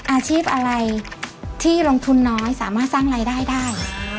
อาชีพอะไรที่ลงทุนน้อยสามารถสร้างรายได้ได้